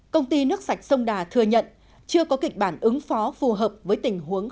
công ty nước sạch sông đà thừa nhận chưa có kịch bản ứng phó phù hợp với tình huống